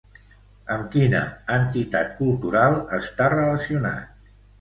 Amb quina entitat cultural està relacionat?